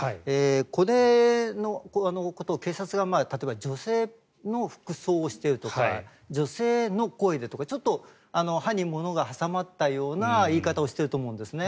これのことを警察が例えば女性の服装をしているとか女性の声でとか、ちょっと歯に物が挟まったような言い方をしていると思うんですね。